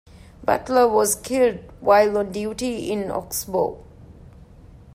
Butler was killed while on duty in Oxbow.